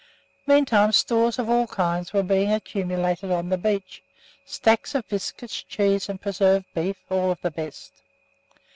Meantime stores of all kinds were being accumulated on the beach stacks of biscuits, cheese and preserved beef, all of the best.